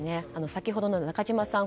先ほどの中島さん